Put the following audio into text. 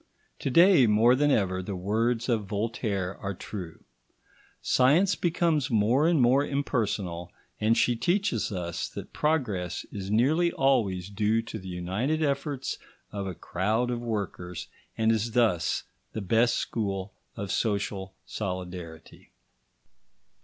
To day, more than ever, the words of Voltaire are true: science becomes more and more impersonal, and she teaches us that progress is nearly always due to the united efforts of a crowd of workers, and is thus the best school of social solidarity.